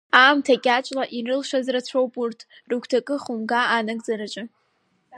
Аамҭа кьаҿла ирылшаз рацәоуп урҭ рыгәҭакы хәымга анагӡараҿы.